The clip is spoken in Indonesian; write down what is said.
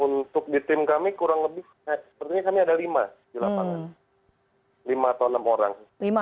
untuk di tim kami kurang lebih sepertinya kami ada lima di lapangan